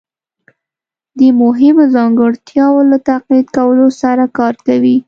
د مهمو ځانګړتیاوو له تقلید کولو سره کار کوي